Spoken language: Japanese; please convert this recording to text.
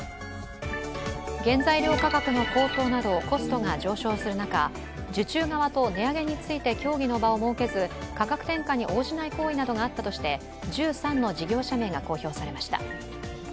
原材料価格の高騰などコストが上昇する中、受注側と店舗の値上げについて協議の場を設けず価格転嫁に応じない行為があったとして１３の事業者名が公表されました。